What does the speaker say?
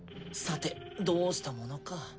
さてどうしたものか。